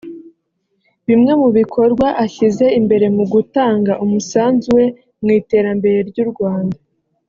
Bimwe mu bikorwa ashyize imbere mu gutanga umusanzu we mu iterambere ry’u Rwanda